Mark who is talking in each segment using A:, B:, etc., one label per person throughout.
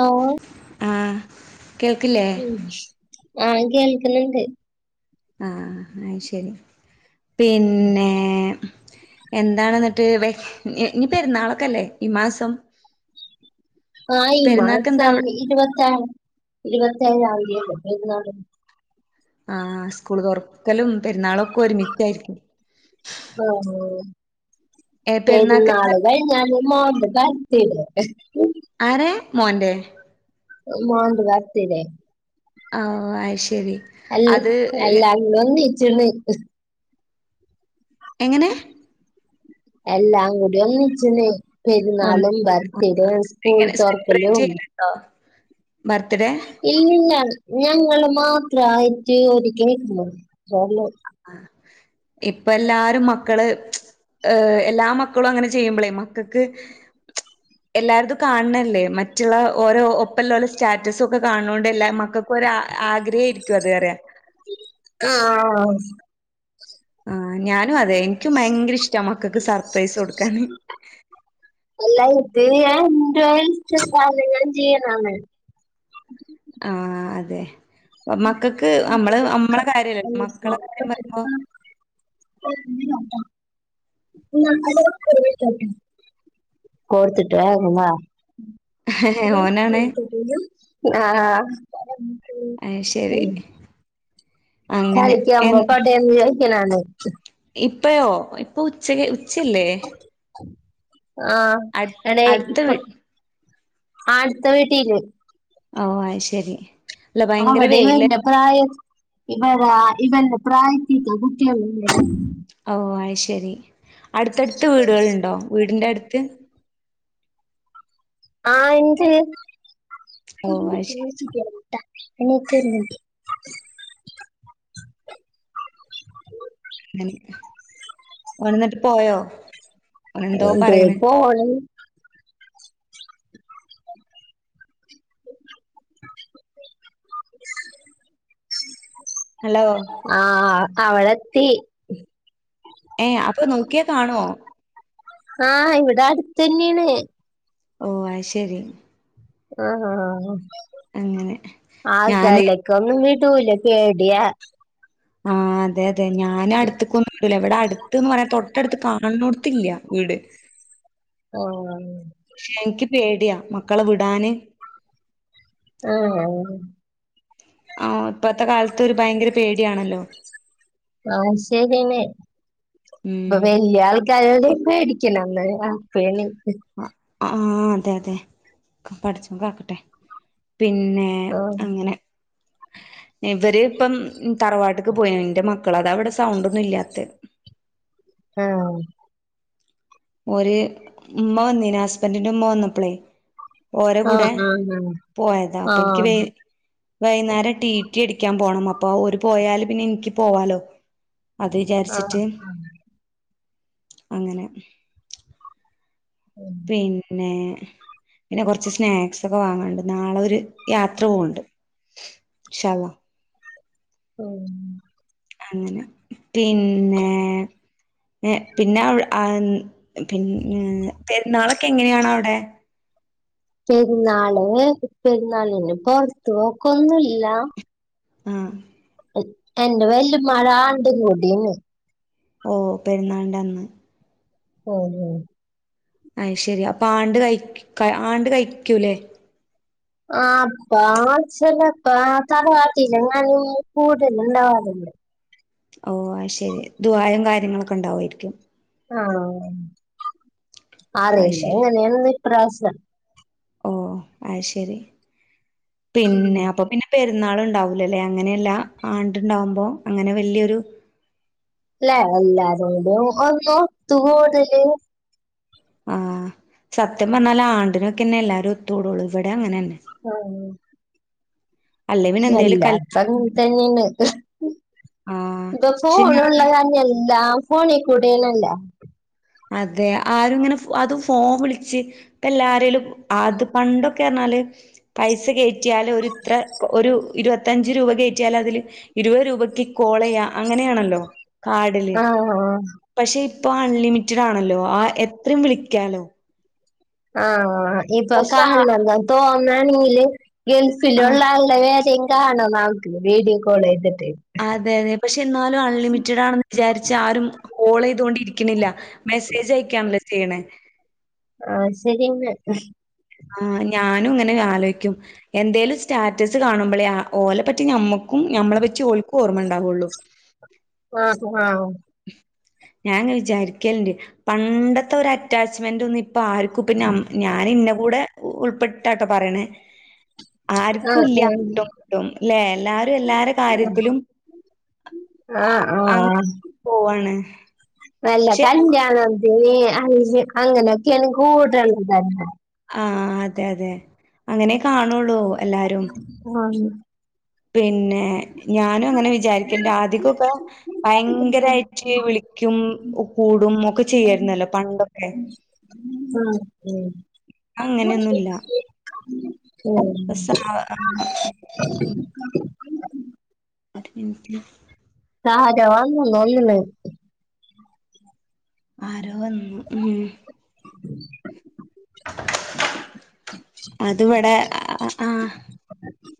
A: ഓ
B: ആഹ് കേൾക്കില്ലേ
A: ആ കേൾക്കുന്നുണ്ട്
B: ആഹ അത് ശരി പിന്നെ എന്നാണ് ട്ട് ഇനി പെരുന്നാളൊക്കെല്ലേ ഈ മാസം
A: ആ ഈ
B: പെരുന്നാൾക്ക് എന്താ
A: മാസം
B: അവിടെ
A: ഇരുപത്തേഴ് ഇരുപ്പെതിഴാൻ തിയതി
B: ആ സ്കൂൾ തുറക്കലും പെരുന്നാളൊക്കെ ഒരുമിച്ച് ആയിരിക്കും
A: ഓ
B: ഏഹ് പെരുന്നാക്ക് എന്താ
A: പേരുന്നാളും വൈകുന്നേരം മോന്റെ ബർത്തഡേ
B: ആരേ മോന്റെ
A: മോന്റെ ബർത്തഡേ
B: ഓ അയ് ശരി
A: എല്ല്
B: അത്
A: എല്ലാങ്കട് ഒന്നിച്ചിന്ന്
B: എങ്ങനെ
A: എല്ലാം കൂടി ഒന്നിച്ചന്ന്
B: ഒന്ന്
A: പെരുന്നാളും ബർത്തിഡെയും സ്കൂൾ തുറക്കലും
B: ആ ബർത്ത്ഡേ
A: ഇല്ലില്ല ഞങ്ങള് മാത്ര ആയിട്ട് [unintelligible]
B: ഇപ്പ എല്ലാരും മക്കള് ഹ് എല്ലാ മക്കളും അങ്ങനെ ചെയ്യുമ്പോളേ മക്കൾക്ക് - - എല്ലാരുതും കാണണല്ലേ മറ്റുള്ള ഓരോ ഒ ഇപ്പല്ലാലു സ്റ്റാറ്റസ് ഒക്കെ കാണോണ്ട്ല്ല മക്കൾക്കൊരാ ആഗ്രഹ ആരിക്കും അത്റിയ
A: ആഹ്
B: ആ ഞാനും അതെ എനിക്കും ഭയങ്കര ഇഷ്ട മക്കൾക്ക് സർപ്രൈസ് കൊടുക്കാന്
A: അല്ല ഇത് ഞാൻ എന്റെ ഇഷ്ടകാര ഞാൻ ചെയ്യണാണ്
B: ആഹ് അതെ ഇപ് മക്കൾക്ക് നമ്മള് നമ്മളെ കാര്യല്ലല്ല മക്കളെ [inaudible]
A: [unintelligible] [inaudible] കോർത്തിട്ട് വേഗം വാ
B: ഓനാണ്
A: ആഹ് ആ ആ
B: അയ് ശരി അങ്ങനെ
A: കളിക്കാൻ പോയിക്കോട്ടെ എന്ന് ചോദിക്കുന്നത് ആണ്
B: ഇപ്പയോ ഇപ്പൊ ഉച്ചയ് ഉച്ചയല്ലേ
A: ആഹ
B: അട്
A: എടെ
B: അടുത്ത വീ
A: ഇപ്പം ആ അടുത്ത വീട്ടില്
B: ഓ അയ് ശെരി
A: അവിടെയും എന്റപ്പ് പ്രായം ഇവന്റെ പ്രായത്തിത്ത കുട്ടികൾ ഉണ്ടെയേ
B: ഓ അ ശരി അടുത്തടുത്ത് വീടുകളുണ്ടോ വീടിന്റെ അടുത്ത് ഓ
A: ആ
B: അത് ശരി
A: [unintelligible]
B: ഓനന്നിട്ട് പോയോ ഓൻ എന്തോ പറയണ്
A: [unintelligible] പോയി
B: [inaudible] ഹലോ
A: ആ അവളെത്തി
B: ഏയ് അപ്പൊ നോക്കിയ കാണോ
A: ആഹ് ഇവിടെ അടുത്ത് തന്നെയാണ്
B: ഓ അയിശരി
A: ആഹാ
B: അങ്ങനെ ഞാന്
A: ആൾക്കല്ലെ കൊങ്ങും വിടൂല പേടിയാ
B: ആഹ് അതെ അതെ ഞാൻ അടുത്തക്കൊന്ന തിലെ വിടാ അടുത്ത് എന്ന് പറയാൻ തൊട്ടടുത്ത് കാൺ നോട്ത്ത് ഇല്ല വീട്
A: ഓ ഓ
B: ഷെ എനിക്ക് പേടിയാ മക്കളെ വിടാന്
A: ആഹ്
B: ആഹ് ഇപ്പത്തെ കാലത്ത് ഒരു ഭയങ്കര പേടിയാണല്ലോ
A: ആഹ ശരിനെ ഇപ്പൊ
B: ഉം
A: വല്യാൾ ക്കാരേടേം പേടിക്കണം [unintelligible] പ്പഴാണ്
B: ആഹ് അതെ അതെ പഡച്ചോൻ കാക്കട്ടെ പിന്നെ
A: ആ
B: അങ്ങനെ ഇവര് ഇപ്പം തറവാട്ടക്ക് പോയ എന്റെ മ ക്കള അതാ സൗണ്ടൊന്നും ഇല്ലാത്തെ
A: ആഹ്
B: ഒരു ഉമ്മ വന്നേന് ഹസ്ബൻറിന്റെ ഉമ്മ വന്നപ്പളേ ഓര
A: ആ
B: കൂടെ പോയതാ
A: ആ ആ
B: അപ്പൊ എനിക്ക് വേ വൈകുന്നേരം ടിറ്റി അടിക്കാൻ പോണം അപ്പൊ ഓര് പോയാല് പിന്നെ എനിക്ക് പോവാലോ അത്
A: ആ
B: വിചാരിച്ചിട്ട് അങ്ങനെ
A: ഉം
B: പിന്നെ പിന്നെ കുറച്ച് സ്നാക്സൊക്കെ വാങ്ങാണ്ട് നാളെ ഒരു യാത്ര പോവണ്ട് ഇൻശാഅല്ലാഹ്‌
A: ഓ
B: അങ്ങനെ പിന്നേ ഏ പിന്നെ അവി ആ പിന്നെ പെരുന്നാളൊക്കെ എങ്ങനെയാണവിടെ?
A: പെരുന്നാള് പെരുന്നാൾന് പുറത്തുപോക്കൊന്നുംല്ല
B: ആഹ്
A: എന്റെ വല്ലുമടെ ആണ്ടും കൂടിആണ്
B: ഓ പെരുന്നാളിന്റ അന്ന്
A: മ് മ്
B: അയ് ശെരി അപ്പൊ ആണ്ട് കയിക് ആണ്ട് കഴിക്കൂല്ലേ
A: ആ അപ്പ ചിലപ്പ തലവാട്ടിലെങ്ങാനും കൂടുലുണ്ടാവാറുണ്ട്
B: ഓ അയ്ശെരി ദുആ യും കാര്യങ്ങളൊക്കെ ഉണ്ടാവുവായിരിക്കും
A: ആഹ്
B: അത് ശരി
A: അറിയില്ലെങ്ങനെയാണ്ന്ന്‌ ഇപ്രാവശ്യം
B: ഓ അയ് ശരി പിന്നെ അപ്പൊ പിന്നെ പെരുന്നള് ഉണ്ടാവൂലല്ലേ അങ്ങനെയല്ല ആണ്ടുണ്ടാവുമ്പോ അങ്ങനെ വലിയൊരു
A: ല്ലേ എല്ലാരോടും ഒരു ഒത്തു കൂടല്
B: ആഹ് സത്യം പറഞ്ഞാല് ആണ്ടിനൊക്കെന്നെ എല്ലാരും ഒത്തൂടുള്ളൂ ഇവിടെ അങ്ങനെ തന്നെ
A: ആഹ്
B: അല്ലെ പിന്നെ എന്തേലും
A: എല്ലാടത്തും
B: കല്യാണം
A: അങ്ങിനെ തന്നെയന്ന്
B: ആഹ്
A: ഇപ്പൊ
B: പക്ഷെ
A: ഫോണ
B: ഞാൻ
A: ഉള്ളതന്നെ എല്ലാം ഫോണിൽ കൂടെണല്ല
B: അതെ ആര ഇങ്ങനെ അത് ഫോം വിളിച്ച് എല്ലാരേലും ആത് പണ്ടൊക്കെ ആര്ന്നാല് പൈസ കയറ്റിയാൽ ഒരു ഇത്ര ഒരു ഇരുപത്തഞ്ച് രൂപ കയറ്റിയാൽ അതില് ഇരുപത് രൂപയ്ക്ക് കോളചെയ അങ്ങനെയാണല്ലോ കാഡില്
A: ആ
B: പക്ഷെ ഇപ്പൊ അൺലിമിറ്റഡ് ആണല്ലോ ആഹ് എത്രയും വിളിക്കാലോ
A: ആഹ് ഇപ്പൊ
B: പക്ഷെ
A: കാണണം തോന്നാണെങ്കില് ഗൾഫിലുള്ള
B: ആഹ്
A: ആ രേലും കാണണോങ്കില് നമുക്ക് വീഡിയോ കോൾ ചെയ്തിട്ട്
B: അതെ അതെ പക്ഷെ എന്നാലും അൺലിമിറ്റഡ് ആണെന്ന് വിചാരിച്ച് ആരും കോൾ ചെയ്തൊണ്ടിരിക്കുന്നില്ല മെസ്സേജ് അയക്കാണല്ലേ ചെയ്യണേ
A: ആഹ് ശരിയന്നെ
B: ആഹ് ഞാനും ഇങ്ങനെ ആലോചിക്കും എന്തേലും സ്റ്റാറ്റസ് കാണുമ്പോഴേ ഓലെ പറ്റി നമ്മക്കും ഞമ്മളെ പറ്റി ഓൾക്കും ഓർമ്മ ഉണ്ടാവുള്ളു
A: ആഹ് ആഹ്
B: ഞാന് ഇങ്ങനെ വിചാരിക്കലണ്ട് പണ്ടത്തെ ഒരു അറ്റാച്ചുമെന്റ് ഒന്നും ഇപ്പൊ പ്പൊ ആർക്കും ഇപ്പ ഞ ഞാൻ ഇന്ന കൂടെ ഉൾപ്പെട്ടാട്ടെ പറയണ
A: ആ
B: ആർക്കും ഇല്ല അങ്ങോട്ടുംട്ടും അല്ലേ എല്ലാരും എല്ലാരു കാര്യത്തിലും
A: ആഹ് ആഹ്
B: അങ്ങനെ
A: ആഹ്
B: പോവാണ്.
A: വല്ല
B: പക്ഷെ
A: കല്യാണം ഏഹ് അഹ് അങ്ങനൊക്കെയനി കൂടുള്ളതന്ന [unintelligible]
B: ആഹ് അതെ അതെ അങ്ങനെ കാണുള്ളൂ എല്ലാരും.
A: ആഹ്
B: പിന്നെ ഏഹ് ഞാനും അങ്ങനെ വിചാരിക്കണ്ട് ആദ്യകമൊക്കെ ഭയങ്കരമായിട്ട് വിളിക്കും കൂടും ഒക്കെ ചെയ്യായിരുന്നല്ലോ പണ്ടൊക്കെ അങ്ങനെയൊന്നുല്ല
A: [unintelligible]
B: [unintelligible] ഒരു മിൻറ്റ്
A: ആരോ വന്നു തോന്ന്ണ്ട്
B: ആരോ വന്നു ഉം
A: [inaudible]
B: അത് വടെ ആഹ്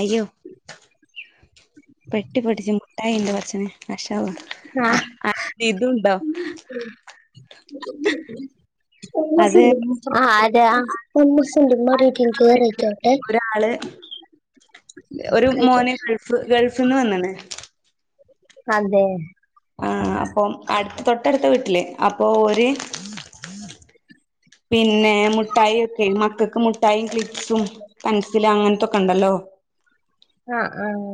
B: അയ്യോ പെട്ടി പൊടിച്ച് മുട്ടായിണ്ട് പച്ച മാഷാ അള്ളാ ആഹ് ആഹ് ഇതുണ്ടോ അത്
A: ആരാ
B: അടുത്തുള്ള വീട്ടില് ഒരാള്
A: [unintelligible] [unintelligible]
B: പ് ഗൾഫ്ന്ന് വന്ന്ണ്ണ്
A: അതെ
B: ആഹ് അപ്പം അട്ത്ത തൊട്ടട്ത്ത വീട്ടിലേ അപ്പൊ ഓര് പിന്നെ മുട്ടായൊക്കെ മക്കക്കും മു മുട്ടായിം, ക്ലിപസും, പെൻസിലും അങ്ങൻത്തൊക്കെ ണ്ടല്ലോ
A: ആഹ് ആഹ്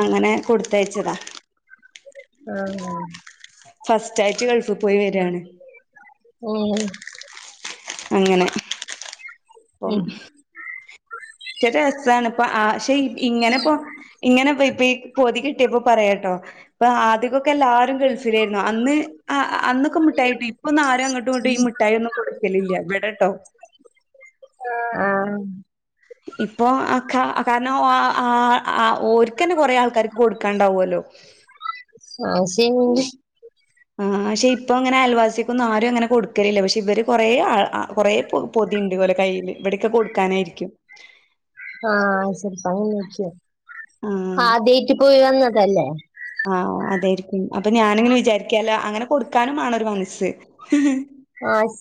B: അങ്ങനെ കൊട്ത്തയച്ചതാ
A: ആഹ്
B: ഫസ്റ്റായ്റ്റ് ഗൾഫ് പോയി വെരാണ്
A: ഓഹ്
B: അങ്ങനെ അപ്പം
A: ഉം
B: ച രസാണ് പ്പ ആക്ഷെ ഇങ്ങനെപ്പൊ ഇങ്ങനെപ്പൊ ഈ പൊതി ക്ട്ട്യേപ്പോ പറയാ കേട്ടോ ഇപ്പൊ ആദിക്കൊക്കെ ല്ലാരും കളിച്ച് യിരുന്നു അന്ന് അന്നൊക്കെ മിട്ടായിട്ടും ഇപ്പൊന്നും ആരും അങ്ങട്ടു ങ്ങട്ടും ഈ മിഠായിയോന്നും കൊട്ക്കലില്ല വടെട്ടോ
A: ആഹ് ആഹ്
B: ഇപ്പൊ ആഹ് ക്ക കാരണം ആഹ് ഓര്ക്കന്നെ കൊറേ ആൾക്കാര്ക്ക് കൊട്ക്കാണ്ടാവോലോ
A: അഹ് [unintelligible]
B: ആഹ് പക്ഷെ ഇപ്പൊ ഇങ്ങനെ ആൽവാസീക്കൊന്നും ആരും അങ്ങനെ കൊട്ക്കലില്ല പക്ഷെ ഇവര് കൊറേ ആല് കൊറേ പൊതിണ്ട് ഓലെ കയ്യില് ഇവടെക്കെ കൊട്ക്കാനായിരിക്കും
A: ആഹ് ചെലപ്പ അങ്ങനേര്ക്കും
B: ആഹ്
A: ആദ്യയ്റ്റ് പോയി വന്നതല്ലേ
B: ആഹ് അതായിരിക്കും അപ്പൊ ഞാനിങ്ങനെ വിചാരിക്കാ അല്ല അങ്ങനെ കൊട്ക്കാനും വണൊരു മനസ്
A: ആഹ്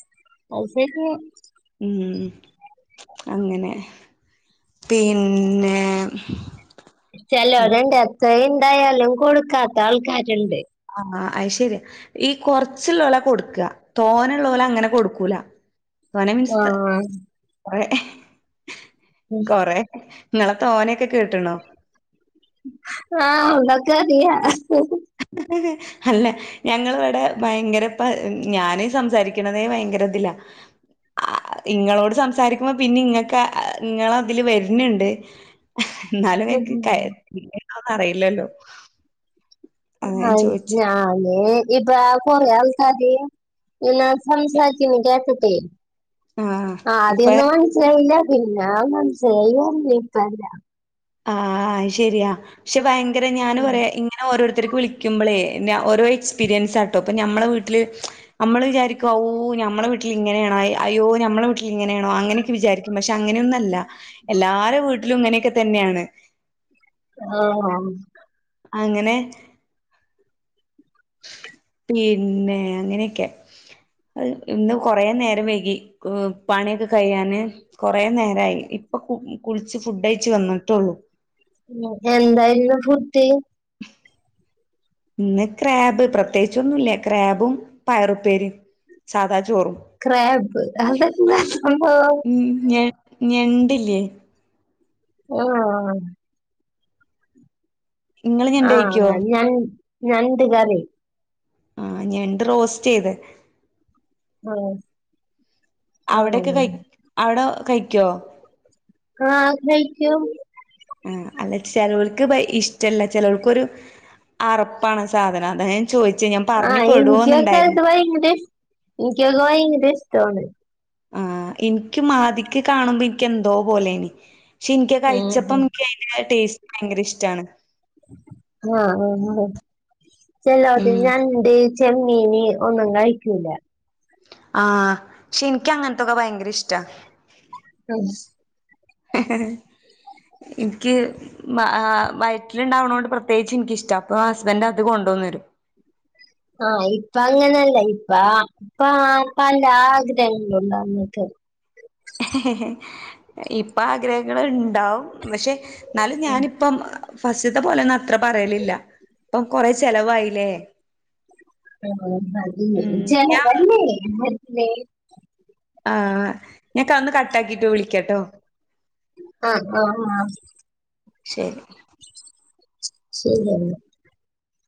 A: അത് ശെര്യാ
B: ഉം അങ്ങനെ പിന്നെ
A: ചെലോരുണ്ട് എത്രയിണ്ടായാലും കൊടുക്കാത്ത ആൾക്കാരുണ്ട്
B: ആഹ് അത് ശരി ഈ കൊർച്ച്ള്ളൊരാ കൊട്ക്ക തോനെള്ളൊര് അങ്ങനെ കൊട്ക്കൂല സ്വന [unintelligible]
A: ആ
B: മസ് കൊറേ കൊറേ നിങ്ങളെ തോനെയെക്കെ കേട്ടണു
A: ആഹ് നിങ്ങക്കറിയാ
B: [unintelligible] അല്ല ഞങ്ങള് ഇവടെ ഭയങ്കര പ ഞാന് സംസാരിക്കണതേ ഭയങ്കര ഇതിലാ [inaudible] ആഹ് ഇങ്ങളോട് സംസാരിക്കുമ്പോ പിന്നെ ഇങ്ങക്കാ ഇങ്ങളതില് വെര്ണ്ട് എന്നാലും എക്ക് [unintelligible] ണോന്ന് അറിയില്ലല്ലോ അതാ ഞാൻ
A: അഹ്
B: ചോയിച്ചേ.
A: ഞാന് ഇപ്പ [unintelligible] എന്നാ സംസാരിക്കുന്ന കേട്ടിട്ടെ
B: ആഹ് ഇപ്പ
A: ആദ്യയൊന്നും മനസ്സിലായില്ല പിന്നെ മനസ്സിലായി വന്നീപ്പ ങ്ങ [unintelligible] നെ
B: ആഹ് അത് ശരിയാ പക്ഷെ ഭയങ്കര ഞാൻ പറയാ- ഇങ്ങനെ ഓരോരുത്തർക്ക് വിളിക്കുമ്പളെ ന ഓരോ എക്സ്പീരിയൻസ് ആട്ടോ ഇപ്പോ നമ്മളെ വീട്ടില് നമ്മള് വിചാരിക്കും ഓഹ് നമ്മടെ വീട്ടിൽ ഇങ്ങനെയാണോ അയോ നമ്മെടെ വീട്ടിൽ ഇങ്ങനെയാണോ അങ്ങനെയൊക്കെ വിചാരിക്കും പക്ഷെ അങ്ങനെയൊന്നുയല്ല എല്ലാരും വീട്ടിലും ഇങ്ങനെയൊക്കെ തന്നെയാണ്
A: [unintelligible]
B: അങ്ങനെ പിന്നെ അങ്ങനെയൊക്കെ ഇന്ന് കുറെ നേരം വൈകി പണി കഴിയാൻ കൊറേ നേരായി. ഇപ്പൊ കുളിച്ച് ഫുഡ് കഴിച്ചു വന്നിട്ടുള്ളൂ.
A: ഇന്ന് എന്തായിരുന്നു ഫുഡ്
B: [unintelligible] ഇന്ന് ക്രാബ് പ്രത്യേകിച്ചൊന്നുല്ല ക്രാബും പയറുപ്പേരിം സാധാ ചോറും
A: ക്രാബ് അതെന്താ സംഭവം
B: ഞ ഞണ്ടില്ലേ
A: ഓഹ്
B: ഇങ്ങള് ഞണ്ട് കഴിക്കോ
A: ആഹ് ഞ ഞണ്ട് കറി
B: ആ ഞണ്ട് റോസ്റ്റ് ചെയ്ത്.
A: ആ.
B: അവിടെയൊക്കെ കഴി അവിടെ കഴിക്കോ
A: ആഹ് കഴിക്കും
B: ആഹ് അല്ല ചെലോർക്ക് ഭയ ഇഷ്ടമല്ല ചെലർക്കൊരു അറപ്പാണ് ആ സാധനം അതാ ഞാൻ ചോയിച്ചിനം
A: ആഹ് ഇൻക്കൊക്കെ അത് ഭയങ്കര ഇൻക്കൊക്കെ ഭയങ്കര ഇഷ്ടവാണ്
B: ആഹ് ഇൻക്കും ആദ്യൊക്കെ കാണുമ്പോ എനിക്ക് എന്തോ പോലെനി പക്ഷെ ഇൻക്ക്
A: ഉം
B: കഴിച്ചപ്പം ആ ടേസ്റ്റ് ഭയങ്കര ഇഷ്ടാണ്
A: ആഹ് ആഹ് ചേലോ [unintelligible]
B: ഉം
A: ഞണ്ട്. ചെമ്മീന് ഒന്നും കഴിക്കൂല.
B: ആഹ് എനിക്ക് അങ്ങനത്തൊക്കെ ഭയങ്കര ഇഷ്ടാ
A: [unintelligible]
B: എനിക്ക് ആഹ് വയറ്റിലുണ്ടാവണത് കൊണ്ട് പ്രത്യേകിച്ച് എനിക്കിഷ്ട അപ്പ ഹസ്ബന്റ് അത് കൊണ്ടു വന്നു തരും
A: ആഹ് ഇപ്പ അങ്ങനല്ല ഇപ്പ പാ പല ആഗ്രഹങ്ങളുണ്ടാരുന്ന് [unintelligible]
B: ഇപ്പ ആഗ്രഹങ്ങൾ ഉണ്ടാവും പക്ഷെ എന്നാലും ഞാനിപ്പം ഫസ്റ്റത്തെപോലെന്നും അത്ര പറയലില്ല ഇപ്പം കുറെ ചെലവായില്ലേ ഉം ഞാൻ
A: ചെലവല്ലേ
B: ആഹ് ഞാൻ ഒന്ന് കട്ട് ആക്കിട്ട് വിളിക്കാട്ടോ
A: ആഹ് ആഹ് ആഹ്
B: ശരി
A: ശരിയെന്നാ